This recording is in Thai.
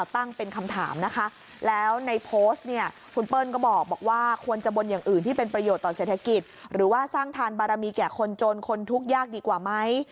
ตั้งเป็นคำถามนะคะแล้วในโพสต์เนี่ยคุณเปิ้ลก็บอกว่าควรจะบนอย่างอื่นที่เป็นประโยชน์ต่อเศรษฐกิจหรือว่าสร้างทานบารมีแก่คนจนคนทุกข์ยากดีกว่าไหม